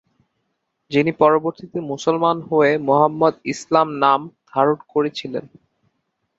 যিনি পরবর্তীতে মুসলমান হয়ে মোহাম্মদ ইসলাম নাম ধারণ করেছিলেন।